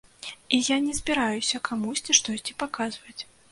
І я не збіраюся камусьці штосьці паказваць.